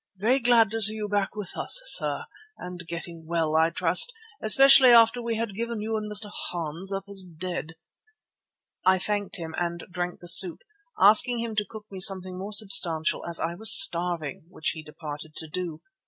"Very glad to see you back with us, sir, and getting well, I trust, especially after we had given you and Mr. Hans up as dead." I thanked him and drank the soup, asking him to cook me something more substantial as I was starving, which he departed to do.